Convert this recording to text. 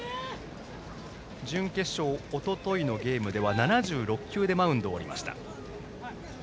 準決勝、おとといのゲームでは７６球でマウンドを降りました。